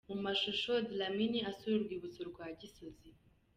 Mu mashusho: Dlamini asura urwibutso rwa Gisozi .